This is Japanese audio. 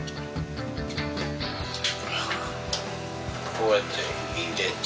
こうやって、入れて。